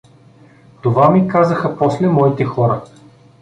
» Това ми казаха после моите хора.